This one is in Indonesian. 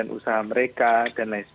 yang kedua adalah perlindungan pengguna